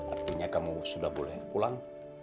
artinya kamu sudah boleh pulang